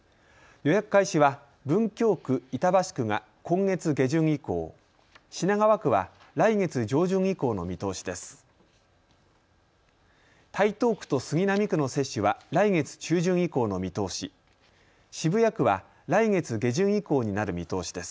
予約開始は文京区、板橋区が今月下旬以降、品川区は来月上旬以降の見通しです。